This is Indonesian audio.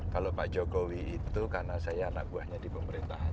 kalau pak jokowi itu karena saya anak buahnya di pemerintahan